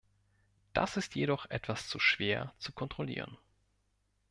Das ist jedoch etwas zu schwer zu kontrollieren.